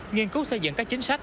nghiên cứu xây dựng các chính sách